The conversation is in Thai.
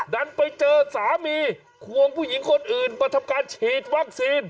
ดันไปเจอสามีควงผู้หญิงคนอื่นมาทำการฉีดวัคซีน